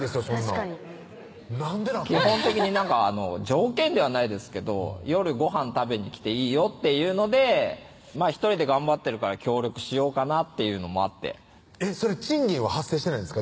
基本的に条件ではないですけど「夜ごはん食べに来ていいよ」っていうので１人で頑張ってるから協力しようかなというのもあって賃金は発生してないんですか？